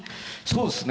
そうですね